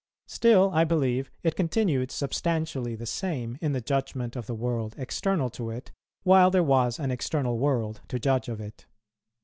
Still, I believe, it continued substantially the same in the judgment of the world external to it, while there was an external world to judge of it.